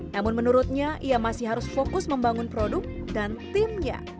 namun menurutnya ia masih harus fokus membangun produk dan timnya